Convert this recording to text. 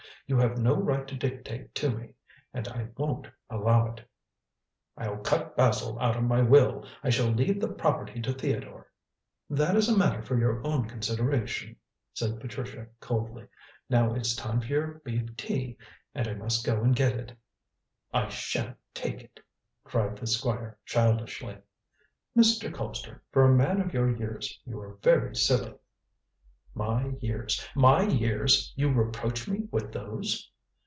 You have no right to dictate to me, and I won't allow it." "I'll cut Basil out of my will. I shall leave the property to Theodore." "That is a matter for your own consideration," said Patricia coldly. "Now it's time for your beef tea, and I must go and get it." "I shan't take it," cried the Squire childishly. "Mr. Colpster, for a man of your years you are very silly." "My years my years; you reproach me with those!"